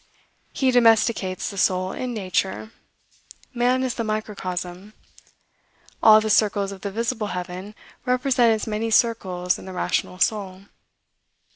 He domesticates the soul in nature; man is the microcosm. All the circles of the visible heaven represent as many circles in the rational soul.